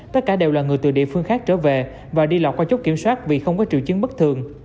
tất cả đều là người từ địa phương khác trở về và đi lọt qua chốt kiểm soát vì không có triệu chứng bất thường